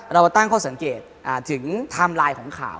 เรามาตั้งข้อสังเกตถึงไทม์ไลน์ของข่าว